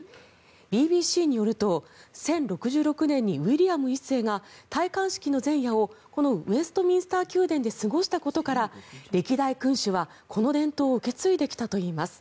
ＢＢＣによると１０６６年にウィリアム１世が戴冠式の前夜をこのウェストミンスター宮殿で過ごしたことから歴代君主はこの伝統を受け継いできたといいます。